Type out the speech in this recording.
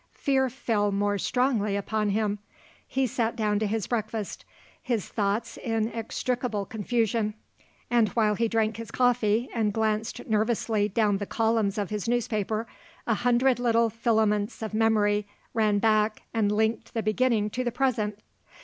Fear fell more strongly upon him. He sat down to his breakfast, his thoughts in inextricable confusion. And while he drank his coffee and glanced nervously down the columns of his newspaper, a hundred little filaments of memory ran back and linked the beginning to the present.